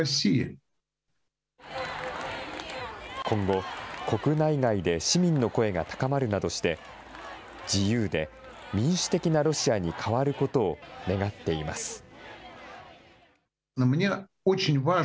今後、国内外で市民の声が高まるなどして、自由で民主的なロシアに変わることを願っています。